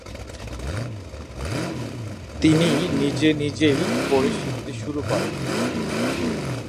তিনি নিজে নিজেই পড়ে শিখতে শুরু করেন।